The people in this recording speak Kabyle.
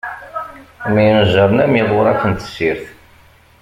Myenjaṛen, am iɣuṛaf n tessirt.